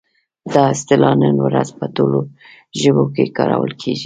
دا اصطلاح نن ورځ په ټولو ژبو کې کارول کیږي.